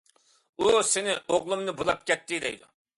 ئۇ سېنى ئوغلۇمنى بۇلاپ كەتتى، دەيدۇ.